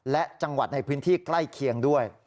และจังหวัดในพื้นที่ใกล้เคียงด้วย